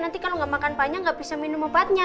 nanti kalau gak makan banyak gak bisa minum obatnya